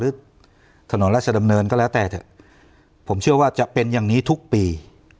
ถนนราชดำเนินก็แล้วแต่เถอะผมเชื่อว่าจะเป็นอย่างนี้ทุกปี